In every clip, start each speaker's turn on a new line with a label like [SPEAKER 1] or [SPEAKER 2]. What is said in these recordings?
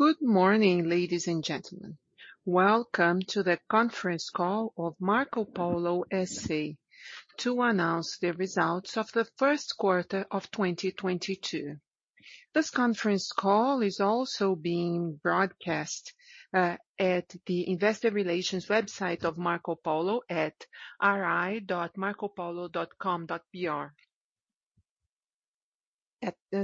[SPEAKER 1] Good morning, ladies and gentlemen. Welcome to the conference call of Marcopolo S.A. to announce the results of the first quarter of 2022. This conference call is also being broadcast at the investor relations website of Marcopolo at ri.marcopolo.com.br.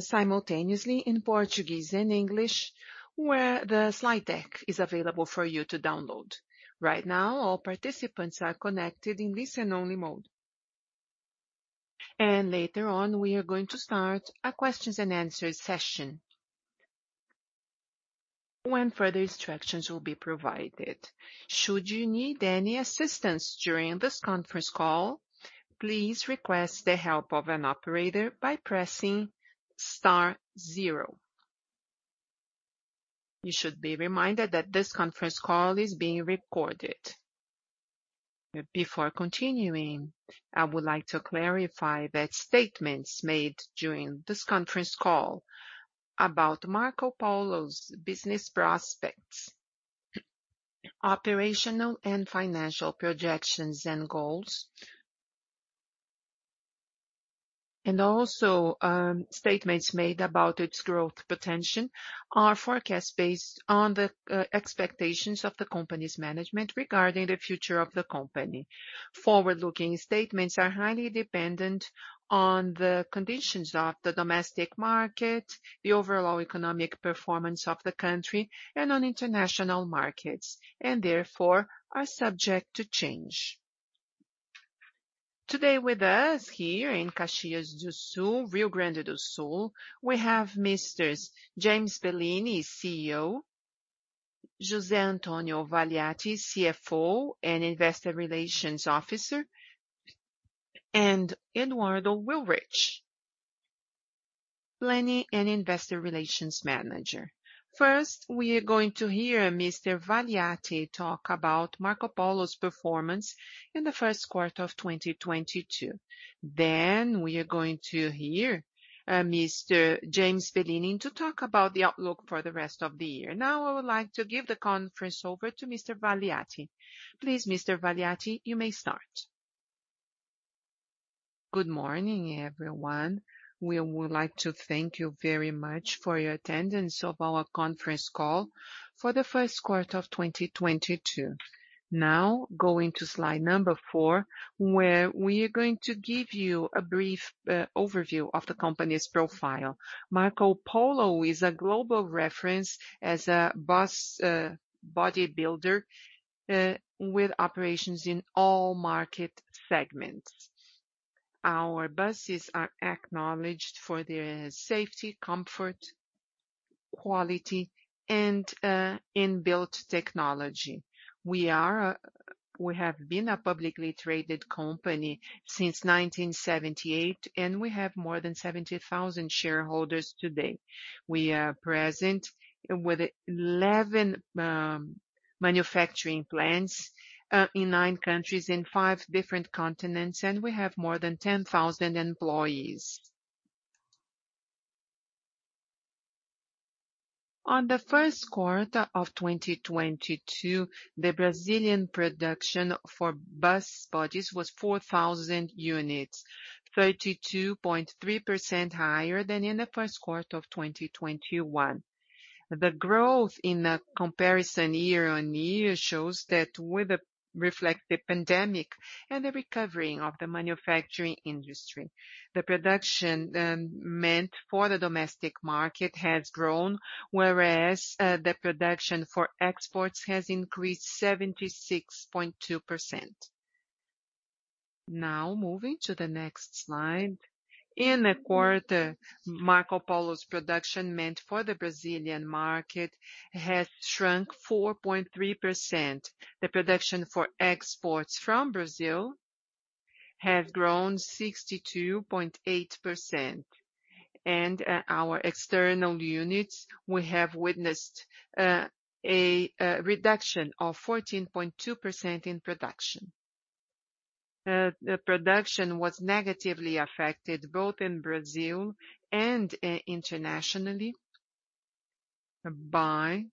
[SPEAKER 1] Simultaneously in Portuguese and English, where the slide deck is available for you to download. Right now, all participants are connected in listen-only mode. Later on, we are going to start a questions and answers session when further instructions will be provided. Should you need any assistance during this conference call, please request the help of an operator by pressing star zero. You should be reminded that this conference call is being recorded. Before continuing, I would like to clarify that statements made during this conference call about Marcopolo's business prospects, operational and financial projections and goals, and also, statements made about its growth potential are forecasts based on the expectations of the company's management regarding the future of the company. Forward-looking statements are highly dependent on the conditions of the domestic market, the overall economic performance of the country, and on international markets, and therefore, are subject to change. Today with us here in Caxias do Sul, Rio Grande do Sul, we have Misters James Bellini, CEO, José Antonio Valiati, CFO and Investor Relations Officer, and Eduardo Willrich, Planning and Investor Relations Manager. First, we are going to hear Mr. Valiati talk about Marcopolo's performance in the first quarter of 2022. We are going to hear Mr. James Bellini to talk about the outlook for the rest of the year. Now I would like to give the conference over to Mr. Valiati. Please, Mr. Valiati, you may start.
[SPEAKER 2] Good morning, everyone. We would like to thank you very much for your attendance of our conference call for the first quarter of 2022. Now, going to slide number four, where we are going to give you a brief overview of the company's profile. Marcopolo is a global reference as a bus bodybuilder with operations in all market segments. Our buses are acknowledged for their safety, comfort, quality, and in-built technology. We have been a publicly traded company since 1978, and we have more than 70,000 shareholders today. We are present with 11 manufacturing plants in nine countries in five different continents, and we have more than 10,000 employees. In the first quarter of 2022, the Brazilian production for bus bodies was 4,000 units, 32.3% higher than in the first quarter of 2021. The growth in the year-on-year comparison reflects the pandemic and the recovery of the manufacturing industry. The production meant for the domestic market has grown, whereas the production for exports has increased 76.2%. Now moving to the next slide. In the quarter, Marcopolo's production meant for the Brazilian market has shrunk 4.3%. The production for exports from Brazil have grown 62.8%. Our external units, we have witnessed a reduction of 14.2% in production. The production was negatively affected both in Brazil and internationally by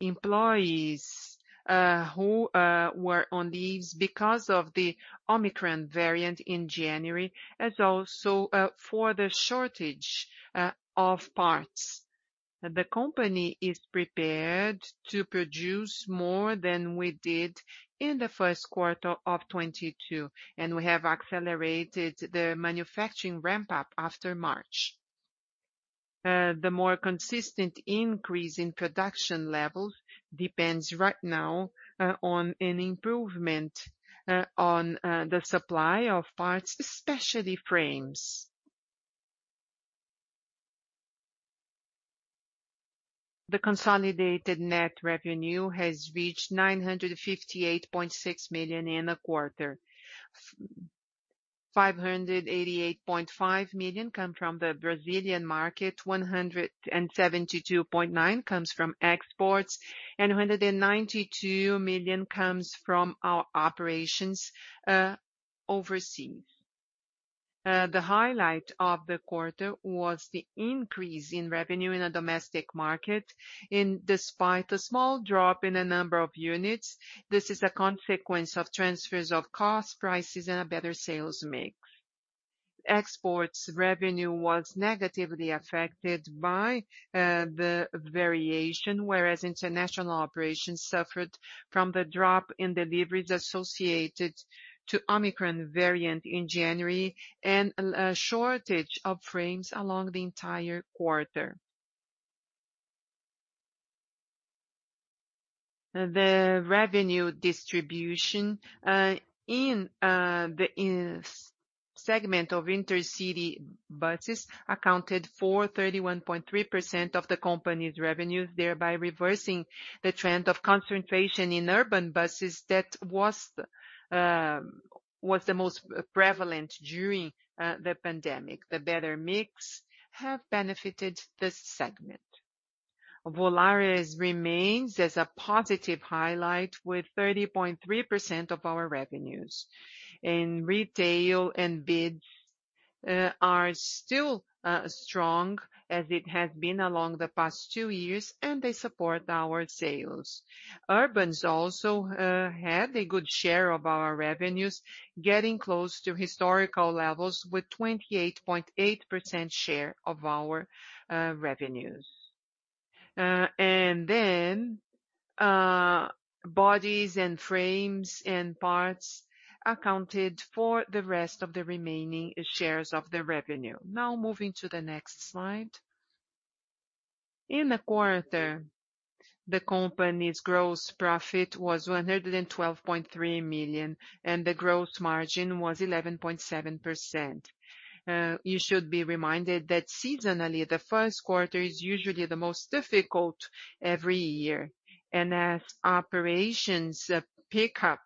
[SPEAKER 2] employees who were on leaves because of the Omicron variant in January, as well as for the shortage of parts. The company is prepared to produce more than we did in the first quarter of 2022, and we have accelerated the manufacturing ramp-up after March. The more consistent increase in production levels depends right now on an improvement on the supply of parts, especially frames. The consolidated net revenue has reached 958.6 million in the quarter. 588.5 million come from the Brazilian market, 172.9 million comes from exports, and 192 million comes from our operations overseas. The highlight of the quarter was the increase in revenue in a domestic market despite a small drop in the number of units. This is a consequence of transfers of cost prices and a better sales mix. Exports revenue was negatively affected by the variation, whereas international operations suffered from the drop in deliveries associated to Omicron variant in January and a shortage of frames along the entire quarter. The revenue distribution in the segment of intercity buses accounted for 31.3% of the company's revenues, thereby reversing the trend of concentration in urban buses that was the most prevalent during the pandemic. The better mix have benefited this segment. Volare remains as a positive highlight with 30.3% of our revenues. In retail and bids are still strong as it has been along the past two years, and they support our sales. Urbans also had a good share of our revenues, getting close to historical levels with 28.8% share of our revenues. Bodies and frames and parts accounted for the rest of the remaining shares of the revenue. Now moving to the next slide. In the quarter, the company's gross profit was 112.3 million, and the gross margin was 11.7%. You should be reminded that seasonally, the first quarter is usually the most difficult every year. As operations pick up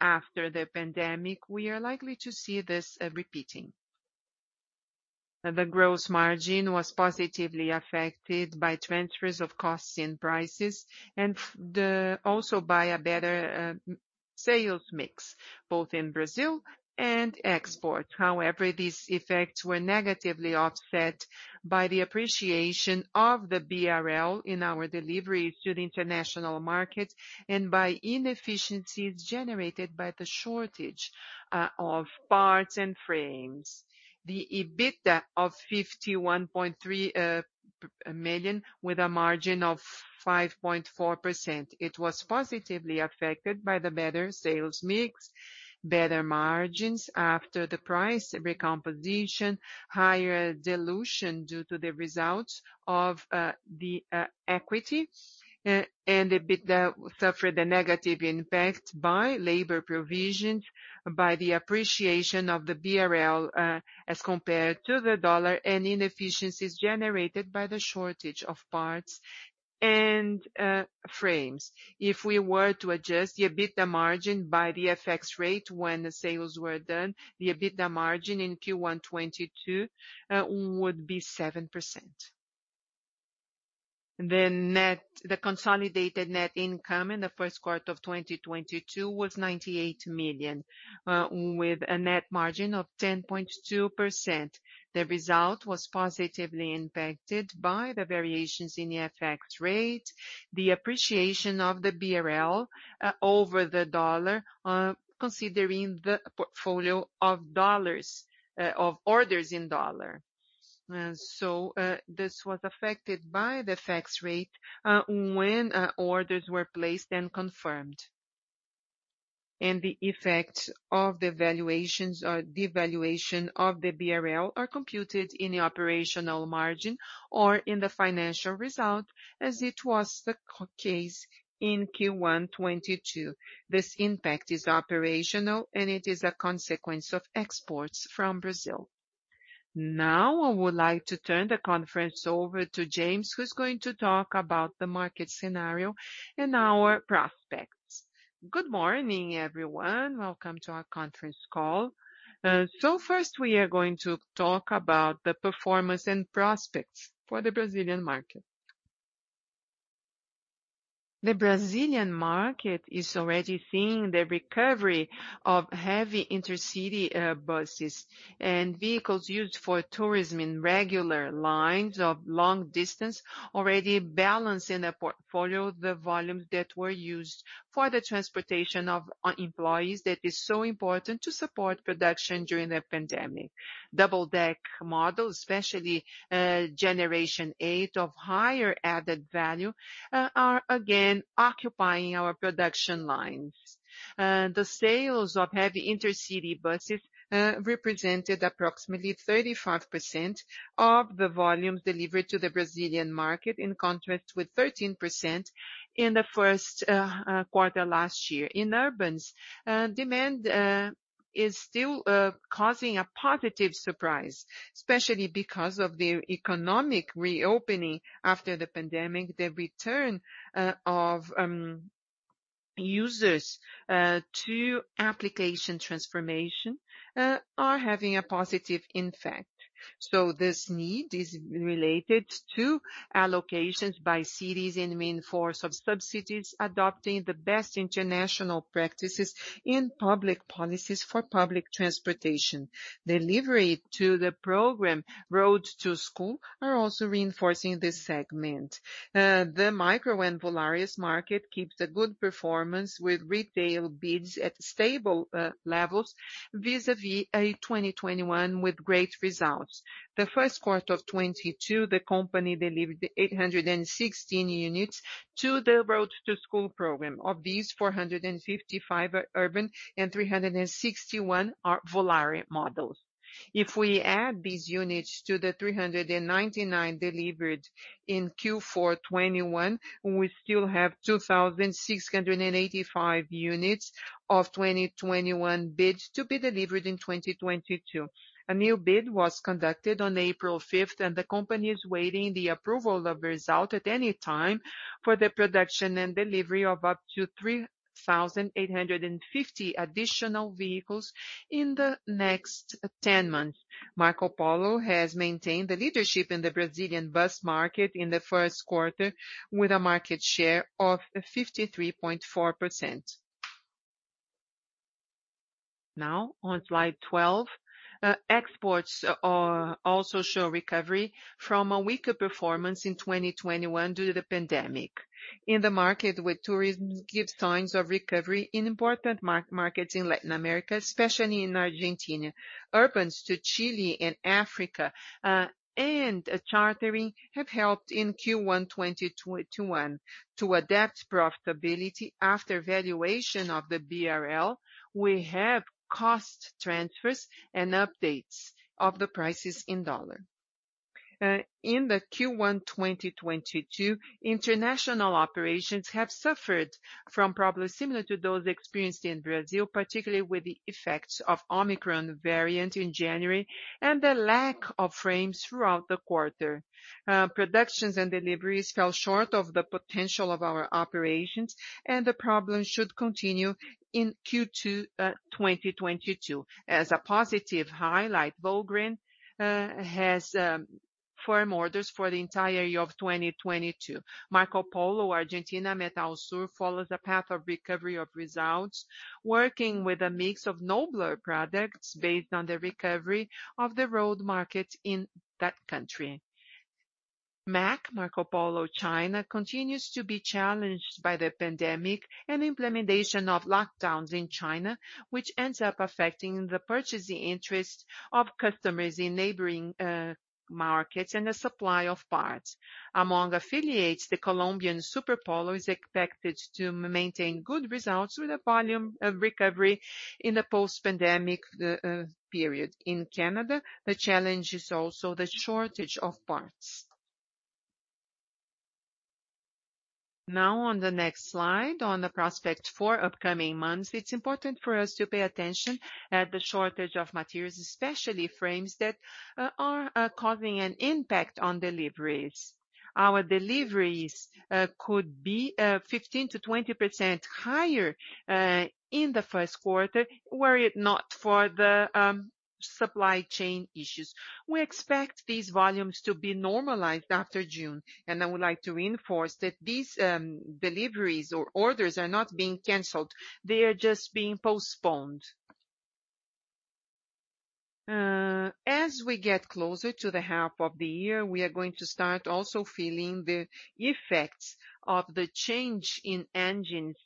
[SPEAKER 2] after the pandemic, we are likely to see this repeating. The gross margin was positively affected by transfers of costs and prices and also by a better sales mix, both in Brazil and export. However, these effects were negatively offset by the appreciation of the BRL in our deliveries to the international markets and by inefficiencies generated by the shortage of parts and frames. The EBITDA of 51.3 million with a margin of 5.4%. It was positively affected by the better sales mix, better margins after the price recomposition, higher dilution due to the results of the equity. EBITDA suffered a negative impact by labor provisions, by the appreciation of the BRL as compared to the dollar, and inefficiencies generated by the shortage of parts and frames. If we were to adjust the EBITDA margin by the FX rate when the sales were done, the EBITDA margin in Q1 2022 would be 7%. The consolidated net income in the first quarter of 2022 was 98 million with a net margin of 10.2%. The result was positively impacted by the variations in the FX rate, the appreciation of the BRL over the dollar considering the portfolio of orders in dollars. This was affected by the FX rate when orders were placed and confirmed. The effects of the valuations or devaluation of the BRL are computed in the operational margin or in the financial result, as it was the case in Q1 2022. This impact is operational, and it is a consequence of exports from Brazil. Now, I would like to turn the conference over to James, who's going to talk about the market scenario and our prospects.
[SPEAKER 3] Good morning, everyone. Welcome to our conference call. First, we are going to talk about the performance and prospects for the Brazilian market. The Brazilian market is already seeing the recovery of heavy intercity buses and vehicles used for tourism in regular lines of long distance, already balancing the portfolio, the volumes that were used for the transportation of employees that is so important to support production during the pandemic. Double-deck models, especially, generation eight of higher added value, are again occupying our production lines. The sales of heavy intercity buses represented approximately 35% of the volumes delivered to the Brazilian market, in contrast with 13% in the first quarter last year. Urban demand is still causing a positive surprise, especially because of the economic reopening after the pandemic. The return of users to public transportation are having a positive impact. This need is related to allocations by cities and reinforcement of subsidies adopting the best international practices in public policies for public transportation. Delivery to the program Road to School are also reinforcing this segment. The micro and Volare market keeps a good performance with retail bids at stable levels vis-a-vis 2021 with great results. The first quarter of 2022, the company delivered 816 units to the Road to School program. Of these, 455 are urban and 361 are Volare models. If we add these units to the 399 delivered in Q4 2021, we still have 2,685 units of 2021 bids to be delivered in 2022. A new bid was conducted on April 5th, and the company is waiting for the approval of the result at any time for the production and delivery of up to 3,850 additional vehicles in the next 10 months. Marcopolo has maintained the leadership in the Brazilian bus market in the first quarter with a market share of 53.4%. Now on slide 12. Exports also show recovery from a weaker performance in 2021 due to the pandemic. In the market where tourism gives signs of recovery in important markets in Latin America, especially in Argentina. Urban buses to Chile and Africa, and chartering have helped in Q1 2021. To adapt profitability after devaluation of the BRL, we have cost transfers and updates of the prices in dollars. In the Q1 2022, international operations have suffered from problems similar to those experienced in Brazil, particularly with the effects of Omicron variant in January and the lack of frames throughout the quarter. Productions and deliveries fell short of the potential of our operations, and the problem should continue in Q2 2022. As a positive highlight, Volgren has firm orders for the entire year of 2022. Marcopolo Argentina Metalsur follows a path of recovery of results, working with a mix of nobler products based on the recovery of the road market in that country. MAC, Marcopolo China, continues to be challenged by the pandemic and implementation of lockdowns in China, which ends up affecting the purchasing interest of customers in neighboring markets and the supply of parts. Among affiliates, the Colombian Superpolo is expected to maintain good results with a volume of recovery in the post-pandemic period. In Canada, the challenge is also the shortage of parts. Now on the next slide, on the prospect for upcoming months, it's important for us to pay attention at the shortage of materials, especially frames that are causing an impact on deliveries. Our deliveries could be 15%-20% higher in the first quarter were it not for the supply chain issues. We expect these volumes to be normalized after June, and I would like to reinforce that these deliveries or orders are not being canceled. They are just being postponed. As we get closer to the half of the year, we are going to start also feeling the effects of the change in engines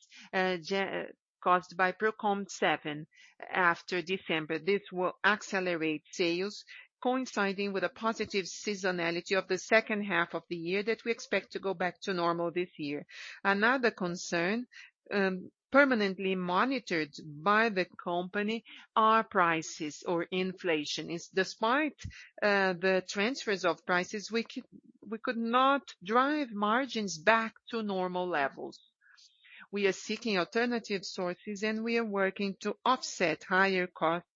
[SPEAKER 3] caused by PROCONVE P7 after December. This will accelerate sales coinciding with a positive seasonality of the second half of the year that we expect to go back to normal this year. Another concern, permanently monitored by the company, are prices or inflation. Despite the transfers of prices, we could not drive margins back to normal levels. We are seeking alternative sources, and we are working to offset higher costs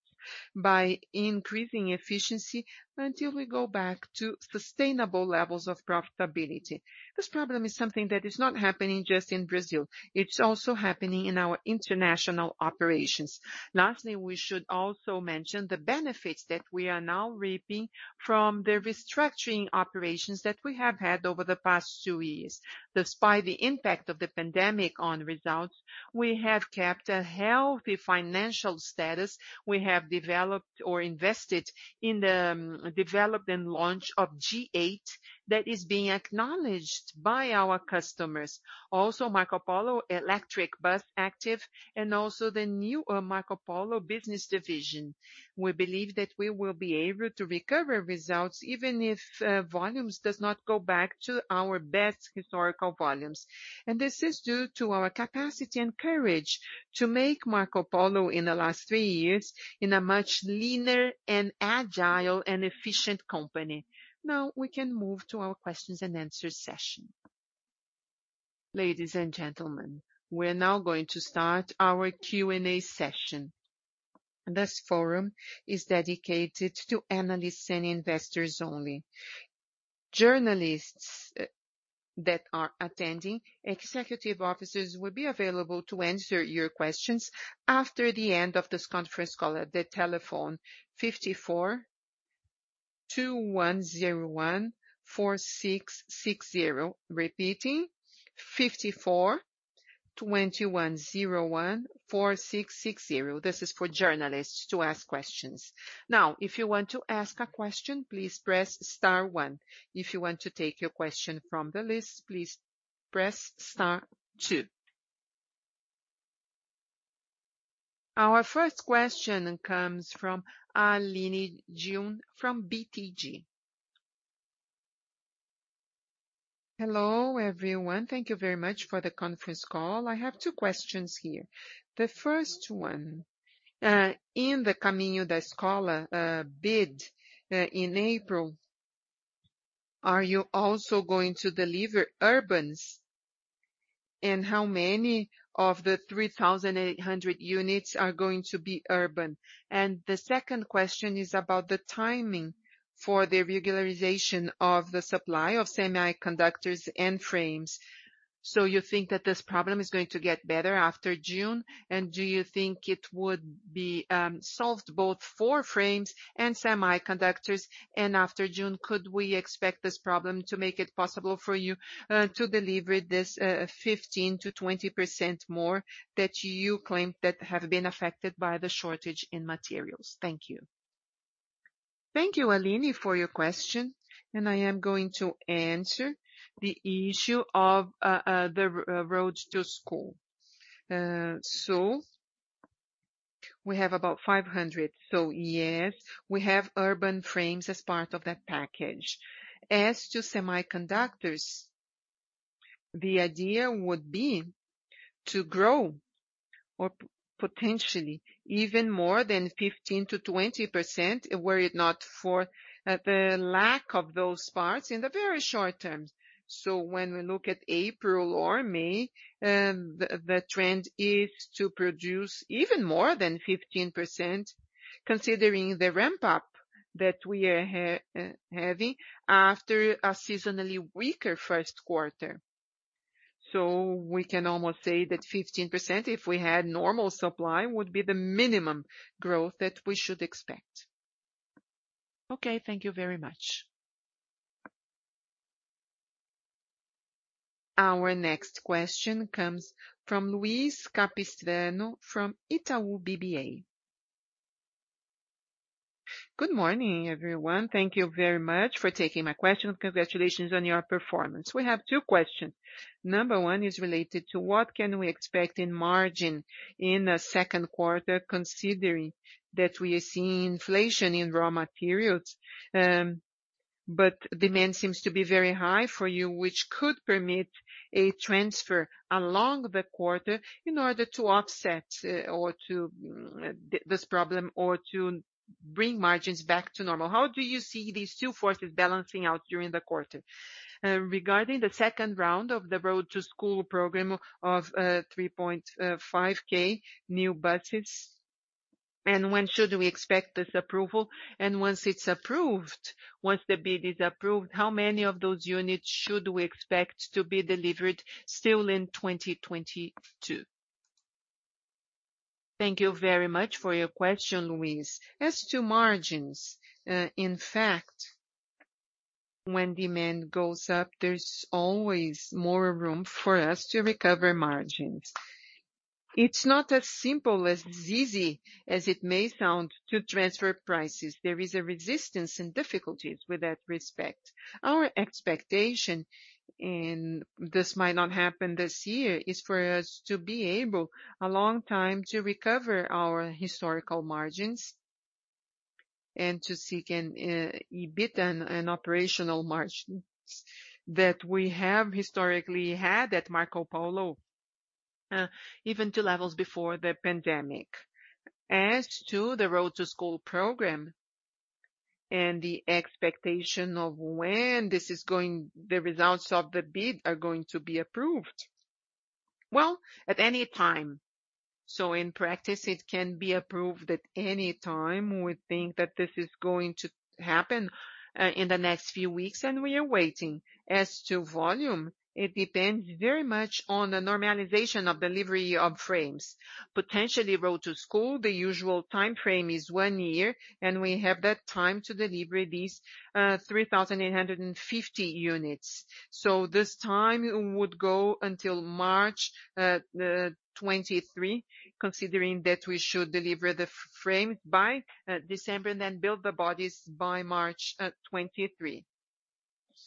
[SPEAKER 3] by increasing efficiency until we go back to sustainable levels of profitability. This problem is something that is not happening just in Brazil. It's also happening in our international operations. Lastly, we should also mention the benefits that we are now reaping from the restructuring operations that we have had over the past two years. Despite the impact of the pandemic on results, we have kept a healthy financial status. We have developed or invested in the development launch of G8 that is being acknowledged by our customers. Also Marcopolo Attivi and also the new Marcopolo Next. We believe that we will be able to recover results even if volumes does not go back to our best historical volumes. This is due to our capacity and courage to make Marcopolo in the last three years in a much leaner and agile and efficient company. Now we can move to our questions and answers session.
[SPEAKER 1] Ladies and gentlemen, we're now going to start our Q&A session. This forum is dedicated to analysts and investors only. Journalists that are attending, executive officers will be available to answer your questions after the end of this conference call at the telephone 54 2101 4660. Repeating 54 2101 4660. This is for journalists to ask questions. Now, if you want to ask a question, please press star one. If you want to take your question from the list, please press star two. Our first question comes from Aline Jun from BTG.
[SPEAKER 4] Hello, everyone. Thank you very much for the conference call. I have two questions here. The first one, in the Caminho da Escola bid in April, are you also going to deliver urbans? And how many of the 3,800 units are going to be urban? The second question is about the timing for the regularization of the supply of semiconductors and frames. You think that this problem is going to get better after June? Do you think it would be solved both for frames and semiconductors? After June, could we expect this problem to make it possible for you to deliver this 15%-20% more that you claim that have been affected by the shortage in materials? Thank you.
[SPEAKER 2] Thank you, Aline, for your question, and I am going to answer the issue of the Caminho da Escola. We have about 500. Yes, we have urban frames as part of that package. As to semiconductors, the idea would be to grow or potentially even more than 15%-20%, were it not for the lack of those parts in the very short term. When we look at April or May, the trend is to produce even more than 15%, considering the ramp-up that we are having after a seasonally weaker first quarter. We can almost say that 15%, if we had normal supply, would be the minimum growth that we should expect.
[SPEAKER 4] Okay. Thank you very much.
[SPEAKER 1] Our next question comes from Luiz Capistrano from Itaú BBA.
[SPEAKER 5] Good morning, everyone. Thank you very much for taking my question. Congratulations on your performance. We have two questions. Number one is related to what can we expect in margin in the second quarter, considering that we are seeing inflation in raw materials, but demand seems to be very high for you, which could permit a transfer along the quarter in order to offset, or to, this problem or to bring margins back to normal. How do you see these two forces balancing out during the quarter? Regarding the second round of the Road to School program of 3,500 new buses, and when should we expect this approval? And once it's approved, once the bid is approved, how many of those units should we expect to be delivered still in 2022?
[SPEAKER 6] Thank you very much for your question, Luiz. As to margins, in fact, when demand goes up, there's always more room for us to recover margins. It's not as simple or as easy as it may sound to transfer prices. There is resistance and difficulties in that respect. Our expectation, and this might not happen this year, is for it to take a long time to recover our historical margins and to seek an EBIT and operational margins that we have historically had at Marcopolo, even to levels before the pandemic. As to the Road to School program and the expectation of when the results of the bid are going to be approved. Well, at any time. In practice, it can be approved at any time. We think that this is going to happen in the next few weeks, and we are waiting. As to volume, it depends very much on the normalization of delivery of frames. Potentially, Road to School, the usual time frame is one year, and we have that time to deliver these 3,850 units. This time would go until March 2023, considering that we should deliver the frame by December and then build the bodies by March 2023.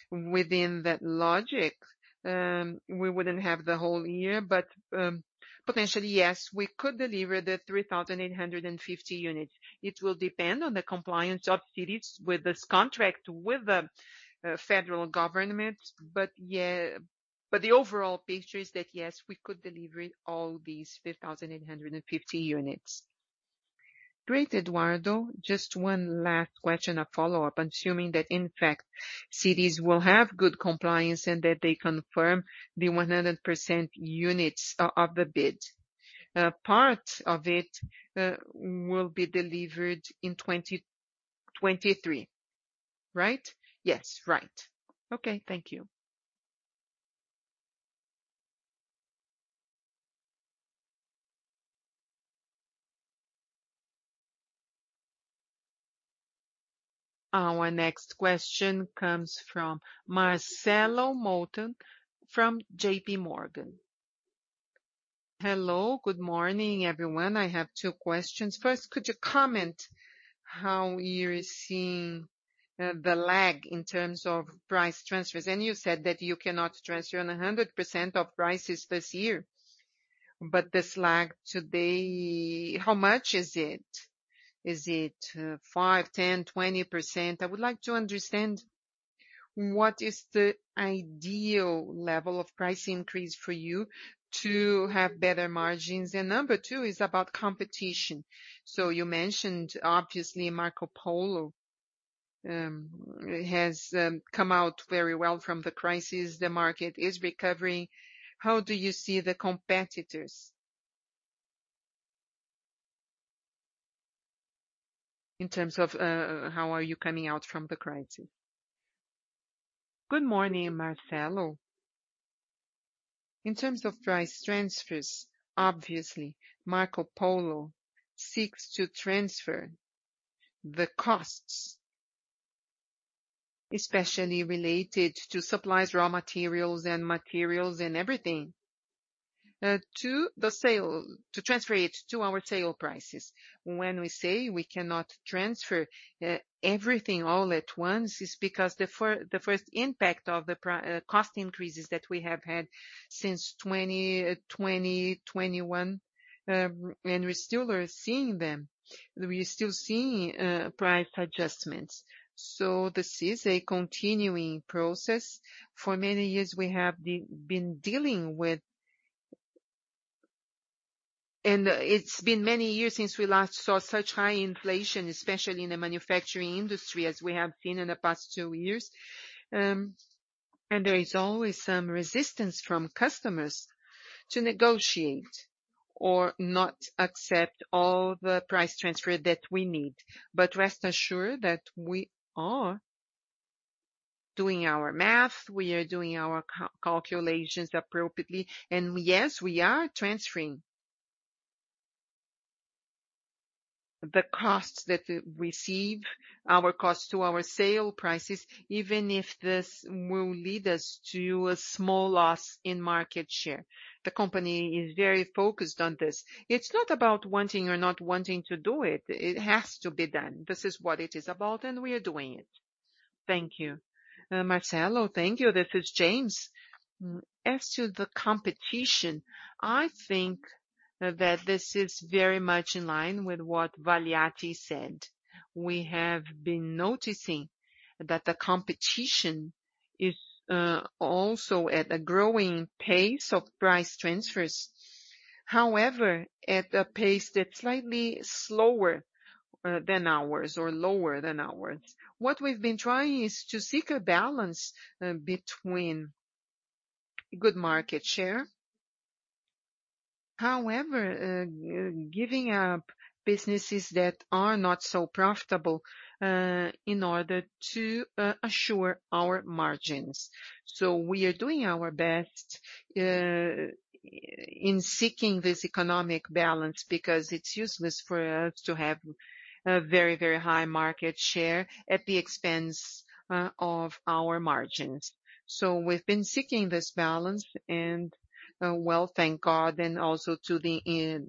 [SPEAKER 6] Within that logic, we wouldn't have the whole year, but potentially, yes, we could deliver the 3,850 units. It will depend on the compliance of cities with this contract with the federal government. The overall picture is that, yes, we could deliver all these 3,850 units.
[SPEAKER 5] Great, Eduardo. Just one last question of follow-up, assuming that in fact, cities will have good compliance and that they confirm the 100% units of the bid, part of it will be delivered in 2023, right?
[SPEAKER 6] Yes, right.
[SPEAKER 5] Okay, thank you.
[SPEAKER 1] Our next question comes from Marcelo Motta from JPMorgan.
[SPEAKER 7] Hello, good morning, everyone. I have two questions. First, could you comment how you're seeing the lag in terms of price transfers? And you said that you cannot transfer on a 100% of prices this year. But this lag today, how much is it? Is it 5%, 10%, 20%? I would like to understand what is the ideal level of price increase for you to have better margins. And number two is about competition. You mentioned, obviously, Marcopolo has come out very well from the crisis. The market is recovering. How do you see the competitors in terms of, how are you coming out from the crisis?
[SPEAKER 2] Good morning, Marcelo. In terms of price transfers, obviously Marcopolo seeks to transfer the costs, especially related to supplies, raw materials and materials and everything, to transfer it to our sale prices. When we say we cannot transfer everything all at once, it's because the first impact of the cost increases that we have had since 2020, 2021, and we still are seeing them. We're still seeing price adjustments. So this is a continuing process. For many years, we have been dealing with. It's been many years since we last saw such high inflation, especially in the manufacturing industry as we have seen in the past two years. There is always some resistance from customers to negotiate or not accept all the price transfer that we need. But rest assured that we are doing our math, we are doing our calculations appropriately. Yes, we are transferring the costs that we receive, our costs to our sale prices, even if this will lead us to a small loss in market share. The company is very focused on this. It's not about wanting or not wanting to do it. It has to be done. This is what it is about, and we are doing it.
[SPEAKER 7] Thank you.
[SPEAKER 3] Marcelo, thank you. This is James. As to the competition, I think that this is very much in line with what Valiati said. We have been noticing that the competition is also at a growing pace of price transfers. However, at a pace that's slightly slower than ours or lower than ours. What we've been trying is to seek a balance between good market share, however, giving up businesses that are not so profitable in order to assure our margins. We are doing our best in seeking this economic balance because it's useless for us to have a very, very high market share at the expense of our margins. We've been seeking this balance and, well, thank God, and also to the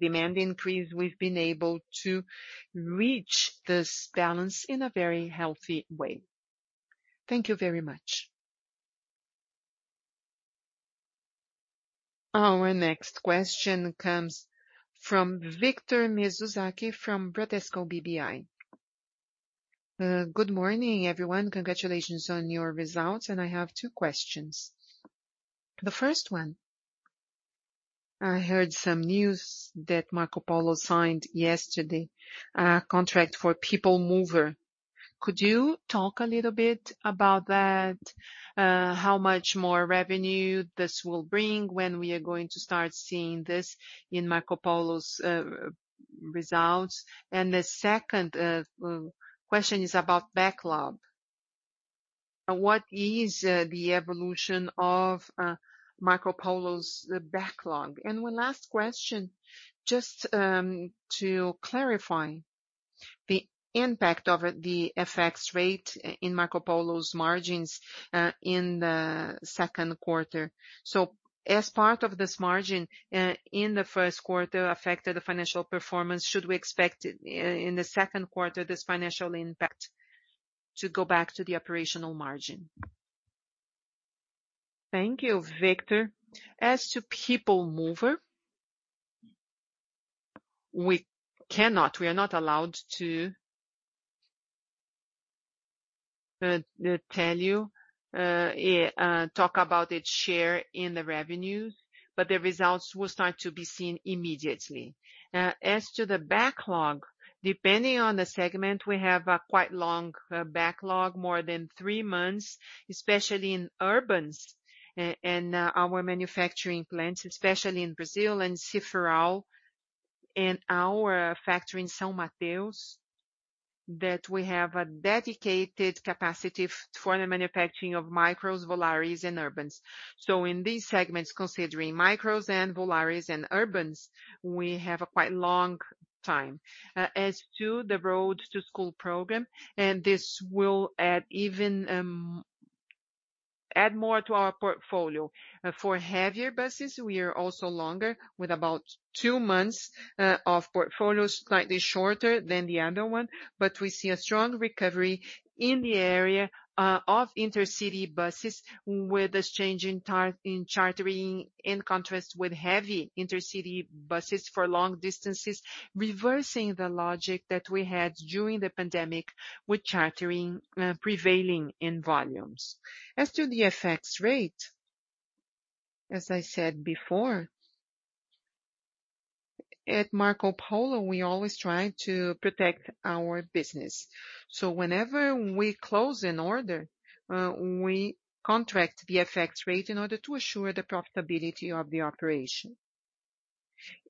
[SPEAKER 3] demand increase, we've been able to reach this balance in a very healthy way.
[SPEAKER 7] Thank you very much.
[SPEAKER 1] Our next question comes from Victor Mizusaki from Bradesco BBI.
[SPEAKER 8] Good morning, everyone. Congratulations on your results, and I have two questions. The first one, I heard some news that Marcopolo signed yesterday a contract for People Mover. Could you talk a little bit about that? How much more revenue this will bring, when we are going to start seeing this in Marcopolo's results? And the second question is about backlog. What is the evolution of Marcopolo's backlog? And one last question, just to clarify the impact of the FX rate in Marcopolo's margins in the second quarter. As part of this margin in the first quarter affected the financial performance, should we expect it in the second quarter, this financial impact to go back to the operational margin?
[SPEAKER 3] Thank you, Victor. As to People Mover, we are not allowed to talk about its share in the revenue, but the results will start to be seen immediately. As to the backlog, depending on the segment, we have a quite long backlog, more than three months, especially in urbans and our manufacturing plants, especially in Brazil and Ciferal and our factory in São Mateus that we have a dedicated capacity for the manufacturing of micros, Volare, and urbans. In these segments, considering micros and Volare and urbans, we have a quite long time. As to the Road to School program, this will add even more to our portfolio. For heavier buses, we are also longer with about two months of portfolios, slightly shorter than the other one, but we see a strong recovery in the area of intercity buses with this change in chartering, in contrast with heavy intercity buses for long distances, reversing the logic that we had during the pandemic with chartering prevailing in volumes.
[SPEAKER 2] As to the FX rate, as I said before, at Marcopolo, we always try to protect our business. Whenever we close an order, we contract the FX rate in order to assure the profitability of the operation.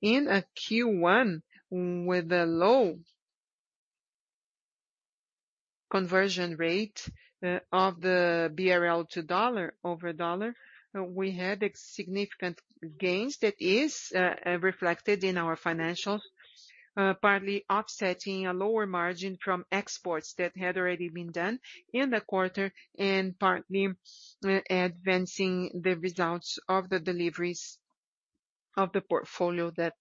[SPEAKER 2] In a Q1 with a low conversion rate of the BRL to dollar over dollar, we had significant gains that is reflected in our financial, partly offsetting a lower margin from exports that had already been done in the quarter and partly advancing the results of the deliveries of the portfolio that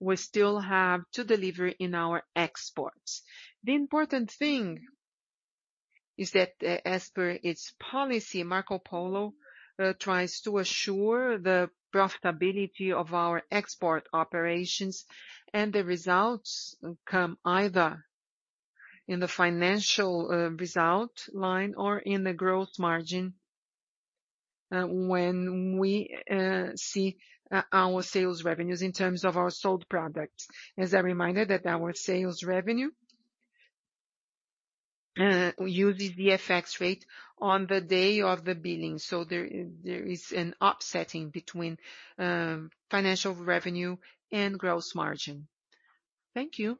[SPEAKER 2] we still have to deliver in our exports. The important thing is that, as per its policy, Marcopolo tries to assure the profitability of our export operations, and the results come either in the financial result line or in the gross margin, when we see our sales revenues in terms of our sold products. As a reminder that our sales revenue uses the FX rate on the day of the billing. There is an offsetting between financial revenue and gross margin.
[SPEAKER 8] Thank you.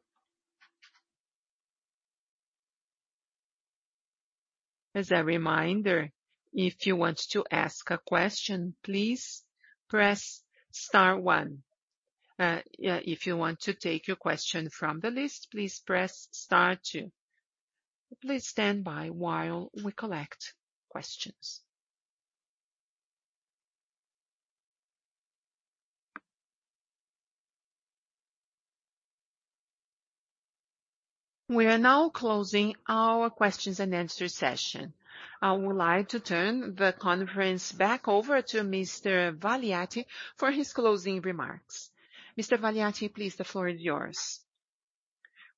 [SPEAKER 1] As a reminder, if you want to ask a question, please press star one. Yeah, if you want to take your question from the list, please press star two. Please stand by while we collect questions. We are now closing our questions and answer session. I would like to turn the conference back over to Mr. Valiati for his closing remarks. Mr. Valiati, please, the floor is yours.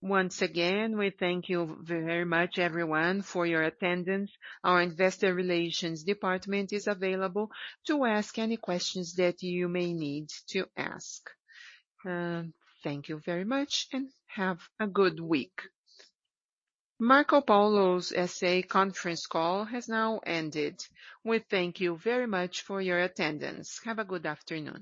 [SPEAKER 2] Once again, we thank you very much, everyone, for your attendance. Our investor relations department is available to ask any questions that you may need to ask. Thank you very much, and have a good week.
[SPEAKER 1] Marcopolo S.A. conference call has now ended. We thank you very much for your attendance. Have a good afternoon.